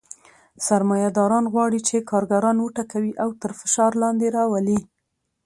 سرمایه داران غواړي چې کارګران وټکوي او تر فشار لاندې راولي